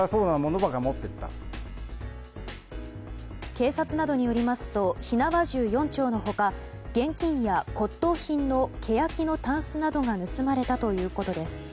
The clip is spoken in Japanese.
警察などによりますと火縄銃４丁の他現金や骨董品のケヤキのタンスなどが盗まれたということです。